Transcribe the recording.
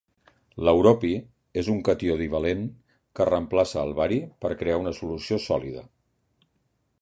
L'europi és un catió divalent que reemplaça el bari per crear una solució sòlida.